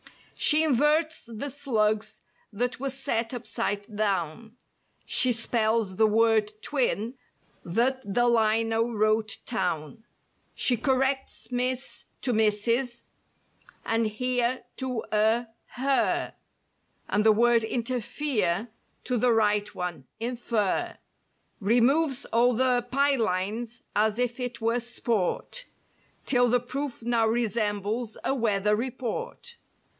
She inverts the "slugs" that were set upside down; She spells the word "twin" that the lino wrote "town;" She corrects "Miss" to "Mrs." and "here" to a "her;" And the word "interfere" to the right one "infer;" Removes all the "pie lines" as if it were sport— 'Till the proof now resembles a weather report.